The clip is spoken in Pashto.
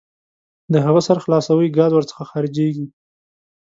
د هغه سر خلاصوئ ګاز ور څخه خارجیږي.